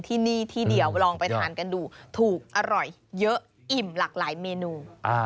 ที่นี่ที่เดียวลองไปทานกันดูถูกอร่อยเยอะอิ่มหลากหลายเมนู